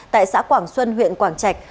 tại xã quảng xuân huyện quảng trạch